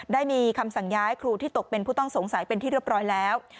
ได้มีคำสั่งย้ายครูที่ตกเป็นผู้ต้องสงสัยเป็นที่เรียบร้อยแล้ว